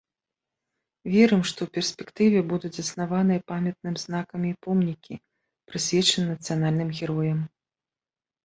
Верым, што ў перспектыве будуць заснаваныя памятным знакі і помнікі, прысвечаныя нацыянальным героям.